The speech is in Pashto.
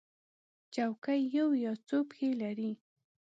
چوکۍ یو یا څو پښې لري.